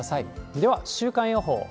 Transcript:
では、週間予報。